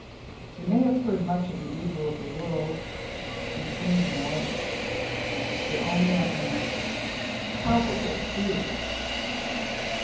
They may have heard much of the evil of the world, and seem to know it, but only as an impalpable theory.